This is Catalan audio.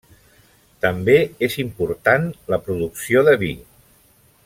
També és important la producció de vi.